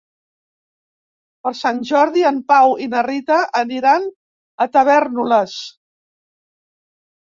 Per Sant Jordi en Pau i na Rita aniran a Tavèrnoles.